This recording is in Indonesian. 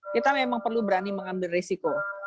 kita memang perlu berani mengambil risiko